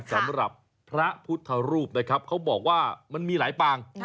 สำหรับพระพุทธรูปนะครับเขาบอกว่ามันมีหลายปาง